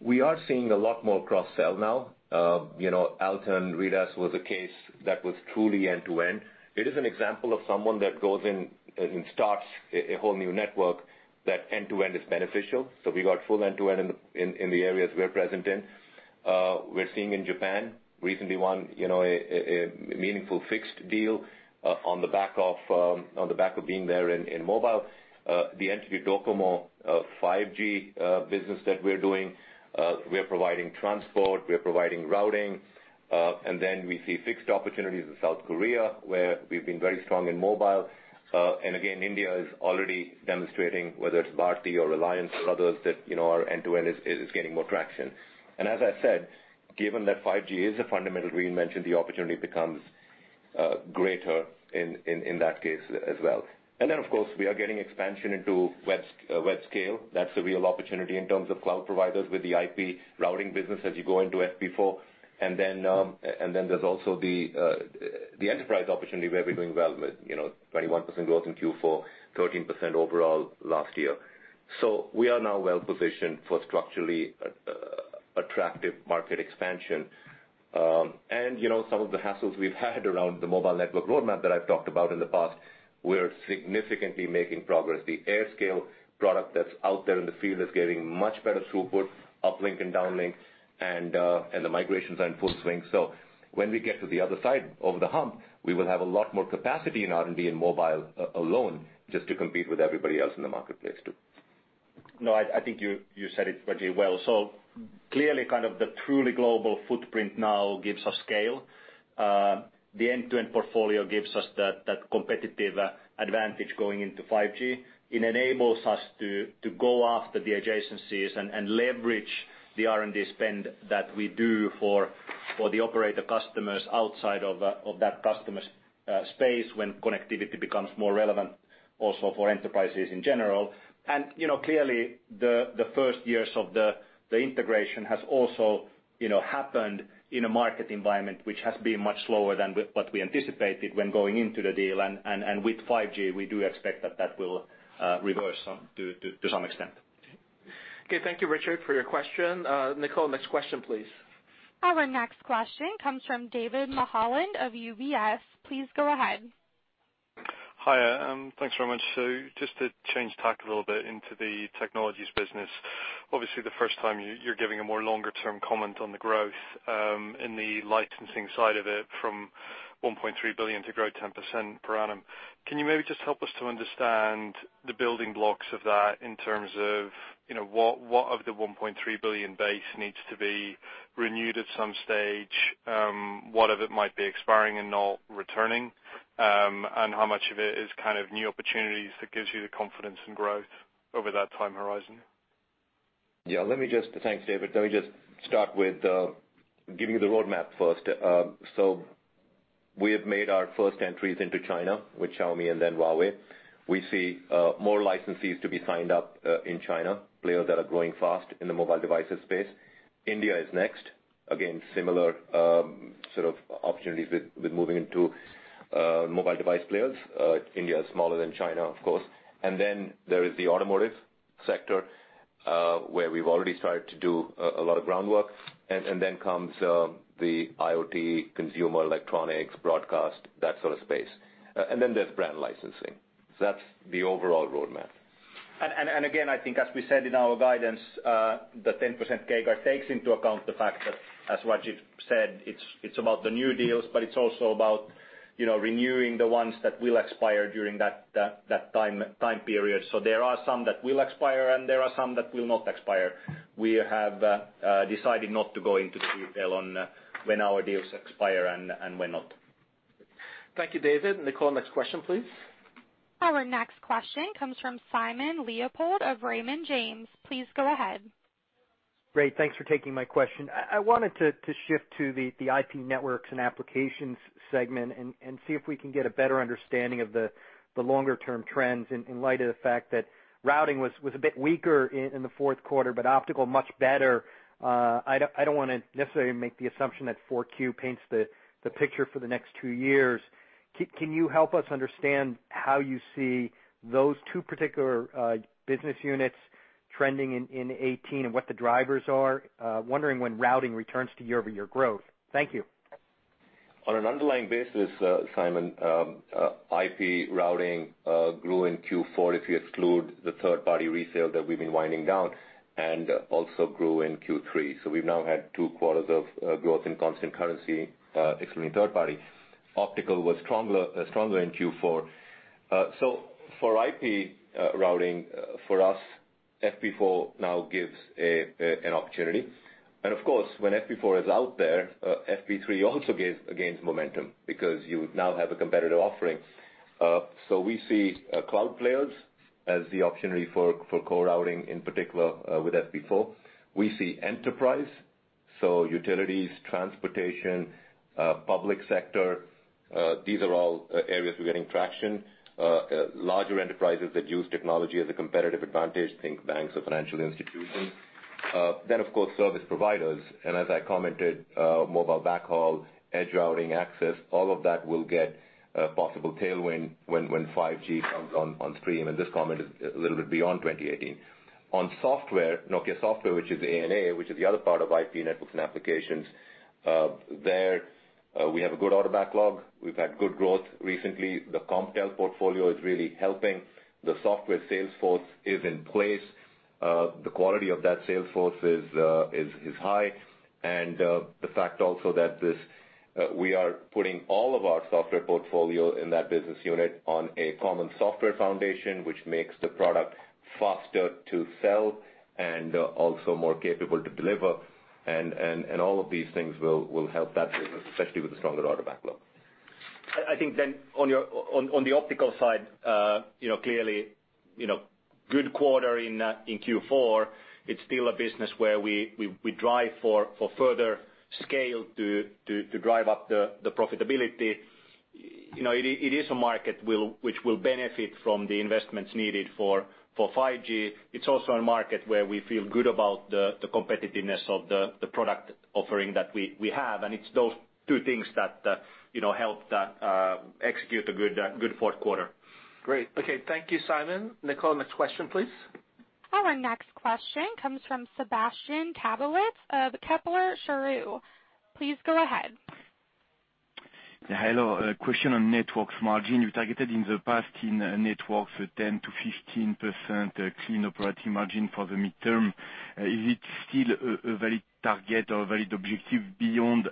we are seeing a lot more cross-sell now. Altán Redes was a case that was truly end-to-end. It is an example of someone that goes in and starts a whole new network that end-to-end is beneficial. We got full end-to-end in the areas we are present in. We are seeing in Japan, recently won a meaningful fixed deal on the back of being there in mobile. The NTT DOCOMO 5G business that we are doing, we are providing transport, we are providing routing. Then we see fixed opportunities in South Korea, where we have been very strong in mobile. Again, India is already demonstrating, whether it is Bharti or Reliance or others, that our end-to-end is gaining more traction. As I said, given that 5G is a fundamental reinvention, the opportunity becomes greater in that case as well. Of course, we are getting expansion into web scale. That's a real opportunity in terms of cloud providers with the IP routing business as you go into FP4. There's also the enterprise opportunity where we're doing well with 21% growth in Q4, 13% overall last year. We are now well-positioned for structurally attractive market expansion. Some of the hassles we've had around the mobile network roadmap that I've talked about in the past, we're significantly making progress. The AirScale product that's out there in the field is getting much better throughput, uplink and downlink, and the migrations are in full swing. When we get to the other side of the hump, we will have a lot more capacity in R&D in mobile alone, just to compete with everybody else in the marketplace, too. No, I think you said it, Rajeev, well. Clearly, kind of the truly global footprint now gives us scale. The end-to-end portfolio gives us that competitive advantage going into 5G. It enables us to go after the adjacencies and leverage the R&D spend that we do for the operator customers outside of that customer space when connectivity becomes more relevant also for enterprises in general. Clearly, the first years of the integration has also happened in a market environment which has been much slower than what we anticipated when going into the deal. With 5G, we do expect that that will reverse to some extent. Okay. Thank you, Richard, for your question. Nicole, next question, please. Our next question comes from David Mulholland of UBS. Please go ahead. Hi. Thanks very much. Just to change tack a little bit into the Technologies business. Obviously, the first time you're giving a more longer-term comment on the growth in the licensing side of it from 1.3 billion to grow 10% per annum. Can you maybe just help us to understand the building blocks of that in terms of what of the 1.3 billion base needs to be renewed at some stage? What of it might be expiring and not returning? How much of it is kind of new opportunities that gives you the confidence in growth over that time horizon? Thanks, David. Let me just start with giving you the roadmap first. We have made our first entries into China with Xiaomi and then Huawei. We see more licensees to be signed up in China, players that are growing fast in the mobile devices space. India is next. Again, similar sort of opportunities with moving into mobile device players. India is smaller than China, of course. Then there is the automotive sector, where we've already started to do a lot of groundwork, and then comes the IoT, consumer electronics, broadcast, that sort of space. Then there's brand licensing. That's the overall roadmap. Again, I think as we said in our guidance, the 10% CAGR takes into account the fact that, as Rajeev said, it's about the new deals, but it's also about renewing the ones that will expire during that time period. There are some that will expire, and there are some that will not expire. We have decided not to go into the detail on when our deals expire and when not. Thank you, David. Nicole, next question, please. Our next question comes from Simon Leopold of Raymond James. Please go ahead. Great. Thanks for taking my question. I wanted to shift to the IP Networks and Applications segment and see if we can get a better understanding of the longer-term trends in light of the fact that routing was a bit weaker in the fourth quarter, optical much better. I don't want to necessarily make the assumption that Q4 paints the picture for the next two years. Can you help us understand how you see those two particular business units trending in 2018 and what the drivers are? Wondering when routing returns to year-over-year growth. Thank you. On an underlying basis, Simon, IP routing grew in Q4 if you exclude the third-party resale that we've been winding down, also grew in Q3. We've now had two quarters of growth in constant currency excluding third party. Optical was stronger in Q4. For IP routing for us, FP4 now gives an opportunity. Of course, when FP4 is out there, FP3 also gains momentum because you now have a competitive offering. We see cloud players as the option really for core routing, in particular with FP4. We see enterprise. Utilities, transportation, public sector, these are all areas we're getting traction. Larger enterprises that use technology as a competitive advantage, think banks or financial institutions. Of course, service providers. As I commented, mobile backhaul, edge routing access, all of that will get a possible tailwind when 5G comes on stream. This comment is a little bit beyond 2018. On software, Nokia Software, which is A&A, which is the other part of IP Networks and Applications. There we have a good order backlog. We've had good growth recently. The Comptel portfolio is really helping. The software sales force is in place. The quality of that sales force is high. The fact also that we are putting all of our software portfolio in that business unit on a common software foundation, which makes the product faster to sell and also more capable to deliver. All of these things will help that business, especially with the stronger order backlog. I think on the optical side, clearly good quarter in Q4. It is still a business where we drive for further scale to drive up the profitability. It is a market which will benefit from the investments needed for 5G. It is also a market where we feel good about the competitiveness of the product offering that we have. It is those two things that help execute a good fourth quarter. Great. Okay. Thank you, Simon. Nicole, next question, please. Our next question comes from Sebastien Sztabowicz of Kepler Cheuvreux. Please go ahead. Hello. A question on networks margin. You targeted in the past in networks 10%-15% clean operating margin for the midterm. Is it still a valid target or a valid objective beyond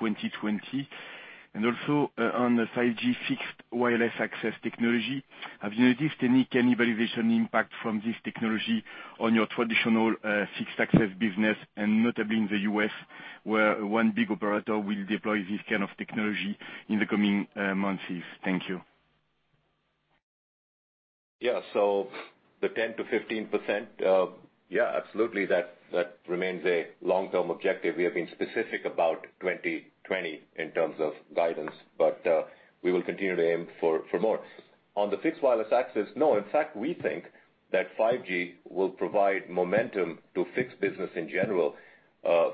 2020? Also on the 5G fixed wireless access technology, have you noticed any evaluation impact from this technology on your traditional fixed access business, and notably in the U.S., where one big operator will deploy this kind of technology in the coming months? Thank you. The 10% to 15%, absolutely. That remains a long-term objective. We have been specific about 2020 in terms of guidance, but we will continue to aim for more. On the fixed wireless access, no. In fact, we think that 5G will provide momentum to fixed business in general,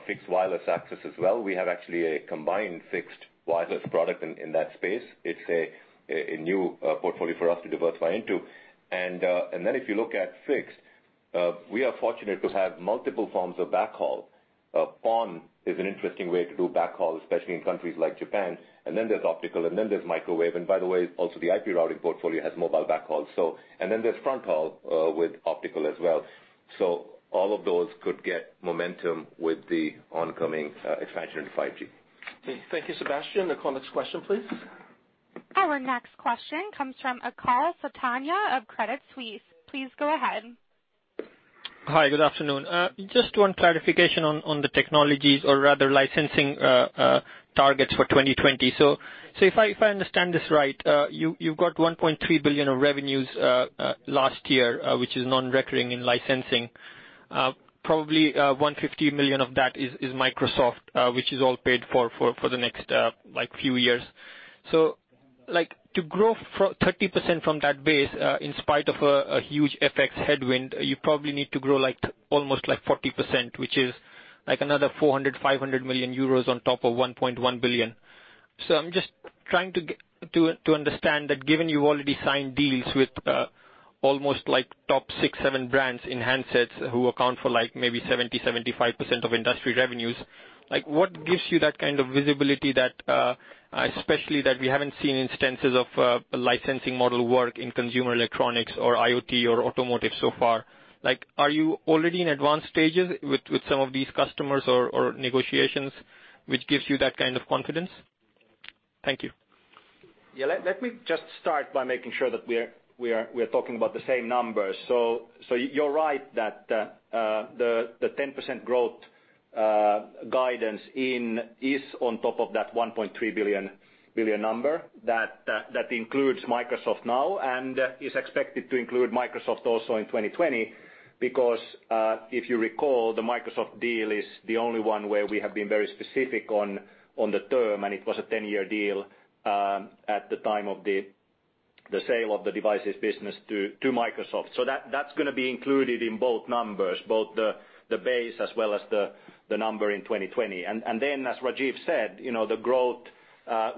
fixed wireless access as well. We have actually a combined fixed wireless product in that space. It is a new portfolio for us to diversify into. If you look at fixed, we are fortunate to have multiple forms of backhaul. PON is an interesting way to do backhaul, especially in countries like Japan. There is optical, and there is microwave. By the way, also the IP routing portfolio has mobile backhaul. There is front haul with optical as well. All of those could get momentum with the oncoming expansion into 5G. Thank you, Sebastien. Nicole, next question, please. Our next question comes from Achal Sultania of Credit Suisse. Please go ahead. Hi, good afternoon. Just one clarification on the technologies or rather licensing targets for 2020. If I understand this right, you have got 1.3 billion of revenues last year, which is non-recurring in licensing. Probably 150 million of that is Microsoft, which is all paid for the next few years. To grow 30% from that base in spite of a huge FX headwind, you probably need to grow almost 40%, which is another 400 million euros, 500 million euros on top of 1.1 billion. I am just trying to understand that given you already signed deals with almost top six, seven brands in handsets who account for maybe 70%, 75% of industry revenues, what gives you that kind of visibility, especially that we have not seen instances of a licensing model work in consumer electronics or IoT or automotive so far? Are you already in advanced stages with some of these customers or negotiations which gives you that kind of confidence? Thank you. Yeah. Let me just start by making sure that we are talking about the same numbers. You're right that the 10% growth guidance is on top of that 1.3 billion number that includes Microsoft now and is expected to include Microsoft also in 2020 because, if you recall, the Microsoft deal is the only one where we have been very specific on the term, and it was a 10-year deal at the time of the sale of the devices business to Microsoft. That's going to be included in both numbers, both the base as well as the number in 2020. As Rajeev said, the growth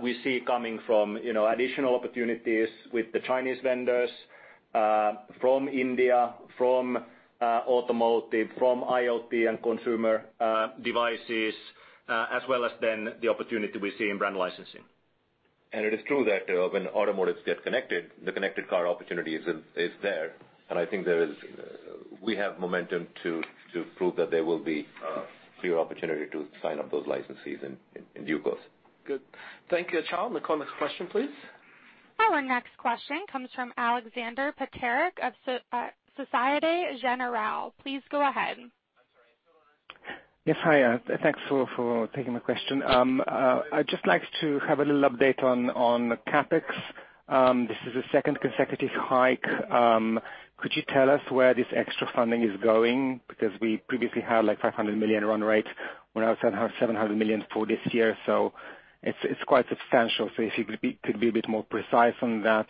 we see coming from additional opportunities with the Chinese vendors, from India, from automotive, from IoT and consumer devices, as well as then the opportunity we see in brand licensing. It is true that when automotives get connected, the connected car opportunity is there, and I think we have momentum to prove that there will be clear opportunity to sign up those licensees in due course. Good. Thank you, Achal. Nicole, next question, please. Our next question comes from Aleksander Peterc of Societe Generale. Please go ahead. Yes. Hi. Thanks for taking my question. I'd just like to have a little update on the CapEx. This is the second consecutive hike. Could you tell us where this extra funding is going? Because we previously had like 500 million run rate. We now have 700 million for this year, so it's quite substantial. If you could be a bit more precise on that.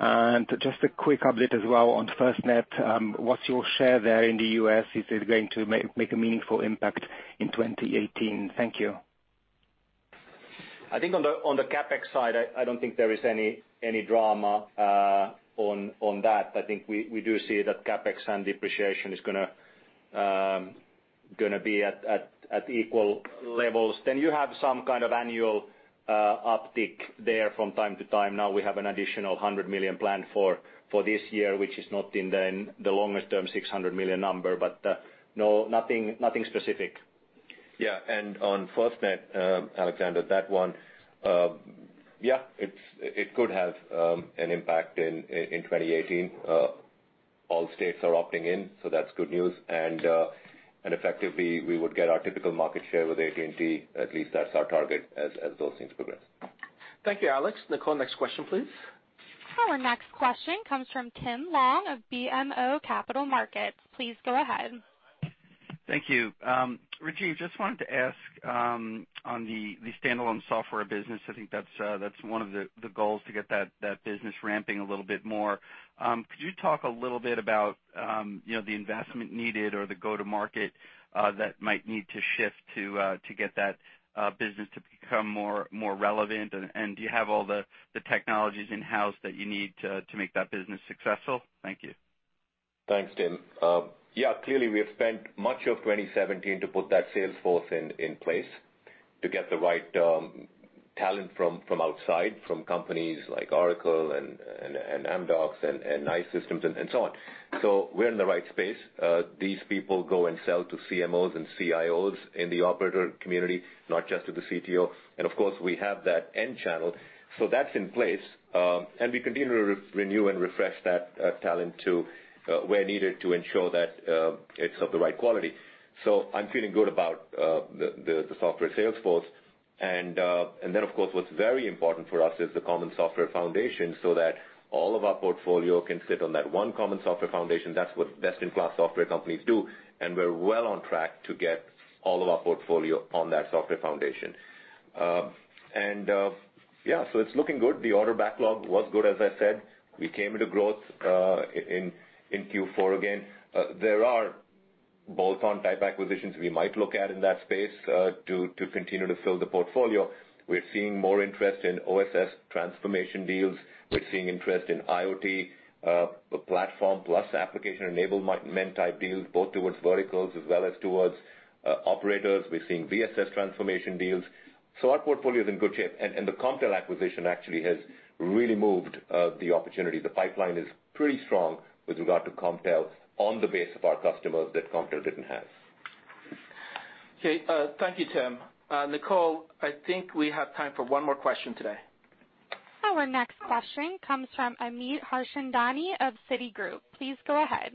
And just a quick update as well on FirstNet. What's your share there in the U.S.? Is it going to make a meaningful impact in 2018? Thank you. I think on the CapEx side, I don't think there is any drama on that. I think we do see that CapEx and depreciation is going to be at equal levels. You have some kind of annual uptick there from time to time. Now we have an additional 100 million planned for this year, which is not in the longest term 600 million number, but no, nothing specific. Yeah. On FirstNet, Aleksander, that one, yeah, it could have an impact in 2018. All states are opting in, so that's good news. Effectively, we would get our typical market share with AT&T. At least that's our target as those things progress. Thank you, Aleks. Nicole, next question, please. Our next question comes from Tim Long of BMO Capital Markets. Please go ahead. Thank you. Rajeev, just wanted to ask on the standalone software business, I think that's one of the goals to get that business ramping a little bit more. Could you talk a little bit about the investment needed or the go-to-market that might need to shift to get that business to become more relevant? Do you have all the technologies in-house that you need to make that business successful? Thank you. Thanks, Tim. Clearly, we have spent much of 2017 to put that sales force in place to get the right talent from outside, from companies like Oracle and Amdocs and NICE Systems and so on. We're in the right space. These people go and sell to CMOs and CIOs in the operator community, not just to the CTO. Of course, we have that end channel. That's in place. We continue to renew and refresh that talent where needed to ensure that it's of the right quality. I'm feeling good about the software sales force. Of course, what's very important for us is the common software foundation so that all of our portfolio can sit on that one common software foundation. That's what best-in-class software companies do, and we're well on track to get all of our portfolio on that software foundation. Yeah, it's looking good. The order backlog was good, as I said. We came into growth in Q4 again. There are bolt-on type acquisitions we might look at in that space to continue to fill the portfolio. We're seeing more interest in OSS transformation deals. We're seeing interest in IoT platform plus application enablement type deals, both towards verticals as well as towards operators. We're seeing BSS transformation deals. Our portfolio is in good shape, and the Comptel acquisition actually has really moved the opportunity. The pipeline is pretty strong with regard to Comptel on the base of our customers that Comptel didn't have. Thank you, Tim. Nicole, I think we have time for one more question today. Our next question comes from Amit Harchandani of Citigroup. Please go ahead.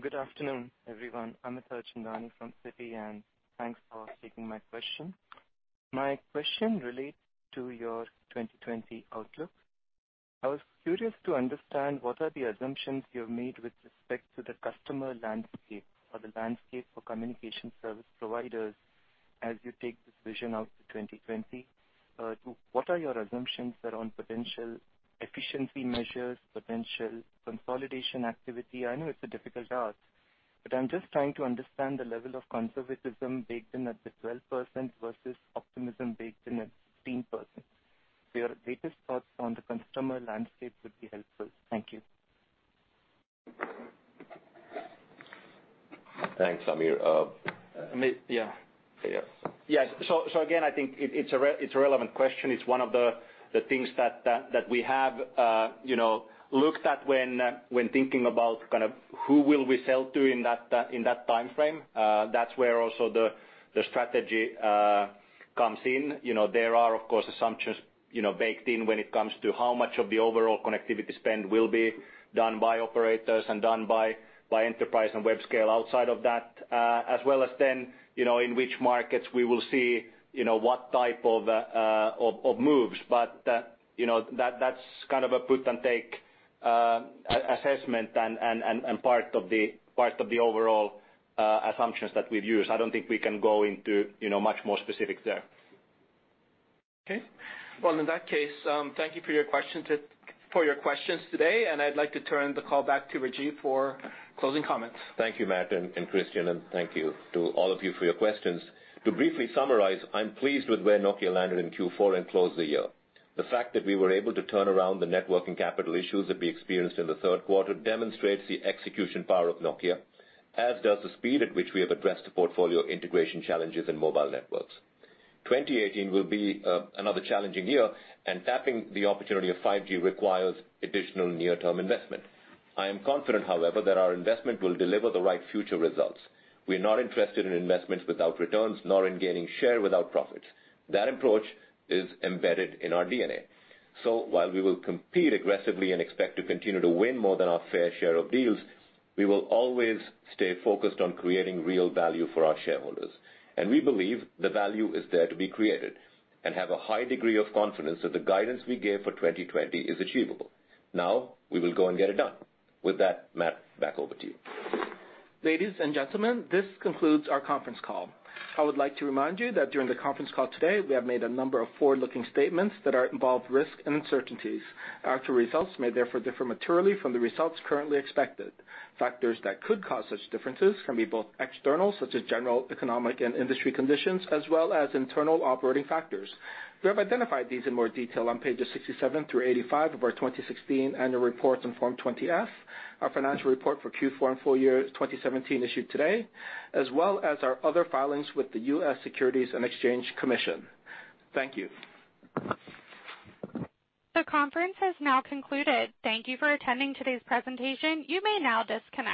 Good afternoon, everyone. Amit Harchandani from Citi, thanks for taking my question. My question relates to your 2020 outlook. I was curious to understand what are the assumptions you have made with respect to the customer landscape or the landscape for communication service providers as you take this vision out to 2020? What are your assumptions around potential efficiency measures, potential consolidation activity? I know it's a difficult ask. I'm just trying to understand the level of conservatism baked in at the 12% versus optimism baked in at 15%. Your latest thoughts on the consumer landscape would be helpful. Thank you. Thanks, Amit. Yeah. Yeah. Yeah. Again, I think it's a relevant question. It's one of the things that we have looked at when thinking about who will we sell to in that time frame. That's where also the strategy comes in. There are, of course, assumptions baked in when it comes to how much of the overall connectivity spend will be done by operators and done by enterprise and web scale outside of that, as well as then, in which markets we will see what type of moves. That's kind of a put and take assessment and part of the overall assumptions that we've used. I don't think we can go into much more specifics there. Okay. Well, in that case, thank you for your questions today. I'd like to turn the call back to Rajeev for closing comments. Thank you, Matt and Kristian, thank you to all of you for your questions. To briefly summarize, I'm pleased with where Nokia landed in Q4 close the year. The fact that we were able to turn around the networking capital issues that we experienced in the third quarter demonstrates the execution power of Nokia, as does the speed at which we have addressed the portfolio integration challenges in mobile networks. 2018 will be another challenging year tapping the opportunity of 5G requires additional near-term investment. I am confident, however, that our investment will deliver the right future results. We're not interested in investments without returns, nor in gaining share without profits. That approach is embedded in our DNA. While we will compete aggressively and expect to continue to win more than our fair share of deals, we will always stay focused on creating real value for our shareholders. We believe the value is there to be created and have a high degree of confidence that the guidance we gave for 2020 is achievable. We will go and get it done. With that, Matt, back over to you. Ladies and gentlemen, this concludes our conference call. I would like to remind you that during the conference call today, we have made a number of forward-looking statements that involve risk and uncertainties. Our actual results may therefore differ materially from the results currently expected. Factors that could cause such differences can be both external, such as general economic and industry conditions, as well as internal operating factors. We have identified these in more detail on pages 67 through 85 of our 2016 annual report and Form 20-F, our financial report for Q4 and full year 2017 issued today, as well as our other filings with the US Securities and Exchange Commission. Thank you. The conference has now concluded. Thank you for attending today's presentation. You may now disconnect.